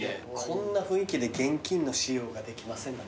こんな雰囲気で「現金の使用ができません」だって。